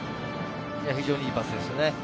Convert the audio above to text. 非常にいいパスですよね。